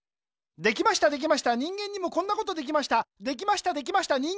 できましたできました人間にもこんなことできました。